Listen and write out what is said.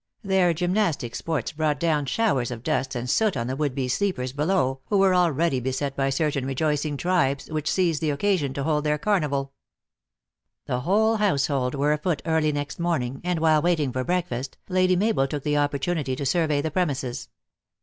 Their gymnastic sports brought down showers of dust and soot on the would be sleepers be low, who were already beset by certain rejoicing tribes, which seized the occasion to hold their carnival. 222 THE ACTRESS IN HIGH LIFE. The whole household were afoot early next morning and, while waiting for breakfast, Lady Mabel took the opportunity to survey the premises.